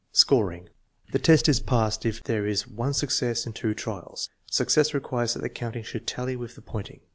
Scoring. The test is passed if there is one success in two trials. Success requires that the counting should tally with the pointing.